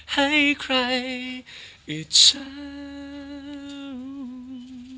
ให้ใครอิจฉา